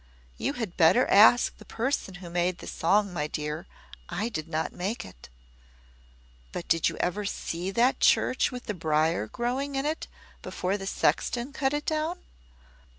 "You had better ask the person who made the song, my dear. I did not make it." "But did you ever see that church with the briar growing in it, before the sexton cut it down?"